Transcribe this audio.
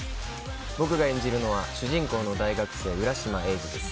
僕が演じるのは主人公の大学生浦島エイジです。